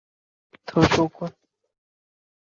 而他的姊姊是受到该校教授古川竹二的影响。